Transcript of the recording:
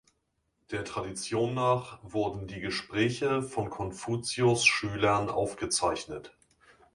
Der Tradition nach wurden die "Gespräche" von Konfuzius’ Schülern aufgezeichnet.